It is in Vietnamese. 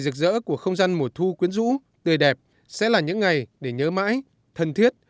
rực rỡ của không gian mùa thu quyến rũ tươi đẹp sẽ là những ngày để nhớ mãi thân thiết